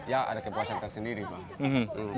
ya ada kepuasan tersendiri bang